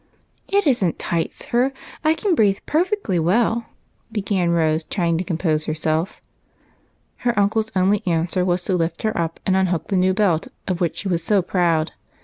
" It is n't tight, sir ; I can breathe perfectly well," began Rose, trvinsr to compose herself. A BELT AND A BOX. 49 Her uncle's only answer was to lift her up and unhook the new belt of which she was so proud.